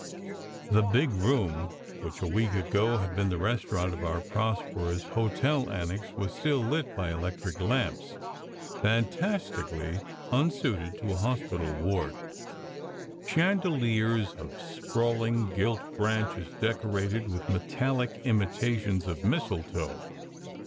. The big room which a week ago had been the restaurant of our prosperous hotel annex was still lit by electric lamps fantastically unsuited to a hospital ward: chandeliers of sprawling gilt branches decorated with metallic imitations 224 SECRET HISTORY of mistletoe.